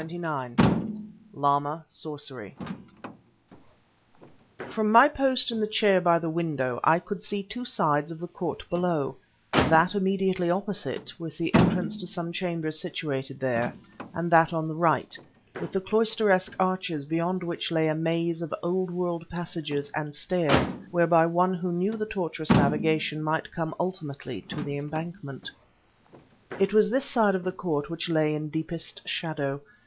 CHAPTER XXIX LAMA SORCERY From my post in the chair by the window I could see two sides of the court below; that immediately opposite, with the entrance to some chambers situated there, and that on the right, with the cloisteresque arches beyond which lay a maze of old world passages and stairs whereby one who knew the tortuous navigation might come ultimately to the Embankment. It was this side of the court which lay in deepest shadow.